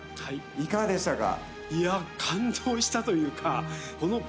いかがでしたか？